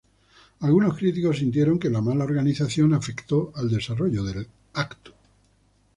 Algunos críticos sintieron que la mala organización afectó al desarrollo del evento.